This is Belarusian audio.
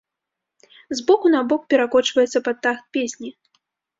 З боку на бок перакочваецца пад тахт песні.